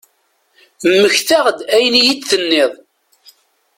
Mmektaɣ-d ayen i iyi-d-tenniḍ.